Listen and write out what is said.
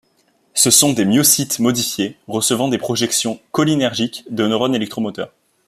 Ce sont des myocytes modifiés recevant des projections cholinergiques de neurones électromoteurs.